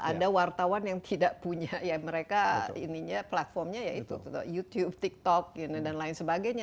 ada wartawan yang tidak punya ya mereka ininya platformnya ya itu youtube tiktok dan lain sebagainya